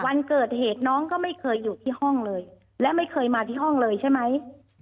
วันเกิดเหตุน้องก็ไม่เคยอยู่ที่ห้องเลยและไม่เคยมาที่ห้องเลยใช่ไหม